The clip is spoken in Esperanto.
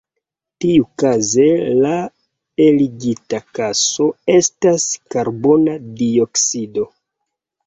Tiukaze la eligita gaso estas karbona dioksido.